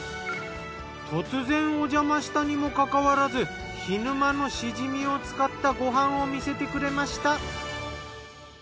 突然おじゃましたにもかかわらず涸沼のシジミを使ったご飯を見せてくれました。